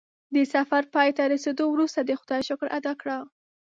د سفر پای ته رسېدو وروسته د خدای شکر ادا کړه.